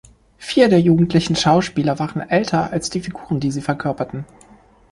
Vier der jugendlichen Schauspieler waren älter, als die Figuren, die sie verkörperten.